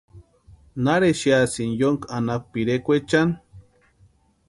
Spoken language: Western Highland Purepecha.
¿Nari exeasïni yónki anapu pirekwaechani?